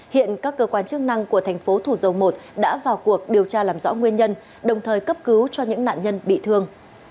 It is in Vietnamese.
hiện các cơ quan chức năng của thành phố thủ dầu một đã vào cuộc điều tra làm rõ nguyên nhân đồng thời cấp cứu cho những nạn nhân bị thương